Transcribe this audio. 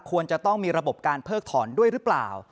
ควรจะต้องมีระบบการเพิกถอนด้วยหรือเปล่า